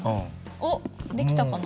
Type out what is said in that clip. おっできたかな？